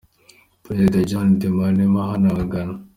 Perezida John Diramani Mahama wa Ghana.